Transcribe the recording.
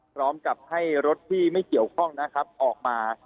พร้อมให้รถที่ไม่เกี่ยวข้องออกมา